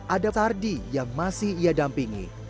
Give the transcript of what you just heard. ada pardi yang masih ia dampingi